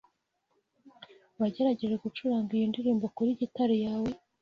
Wagerageje gucuranga iyo ndirimbo kuri gitari yawe?